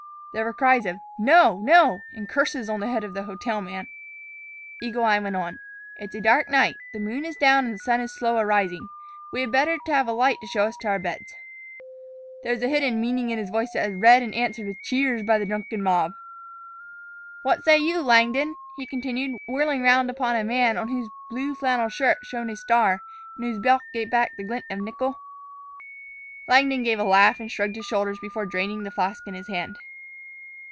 There were cries of "No, no," and curses on the head of the hotel man. Eagle Eye went on. "It's a dark night: the moon is down, and the sun is slow a rising. We had better have a light to show us to our beds." There was a hidden meaning in his voice that was read and answered with cheers by the drunken mob. "What say you, Langdon?" he continued, whirling round upon a man on whose blue flannel shirt shone a star and whose belt gave back the glint of nickel. Langdon gave a laugh and shrugged his shoulders before draining the flask in his hand.